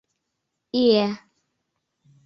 — Иэ...